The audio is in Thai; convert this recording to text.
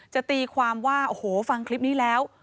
ตีความว่าโอ้โหฟังคลิปนี้แล้ว